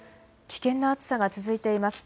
危険な暑さが続いています。